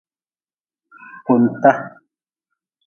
Kunta.